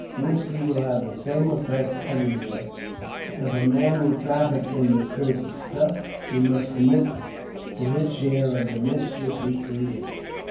Whisky will have the same effect everywhere, and if a man will traffic in the '' cursed stuff," he must submit to his share of the mischief he creates.